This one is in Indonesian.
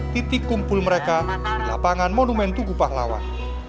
titik kumpul mereka di lapangan monumentu kupah lawan